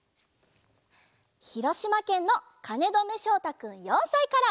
ひろしまけんのかねどめしょうたくん４さいから。